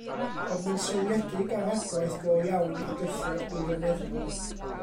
Ond mae'n seiliedig ar adwaith go iawn i fygythiad gwirioneddol.